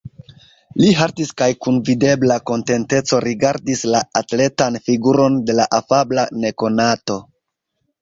Li haltis kaj kun videbla kontenteco rigardis la atletan figuron de la afabla nekonato.